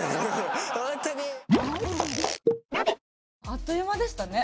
あっという間でしたね。